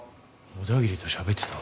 小田切としゃべってた。